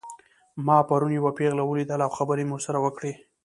ما پرون یوه پیغله ولیدله او خبرې مې ورسره وکړې